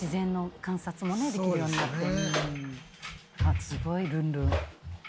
あっすごいルンルン。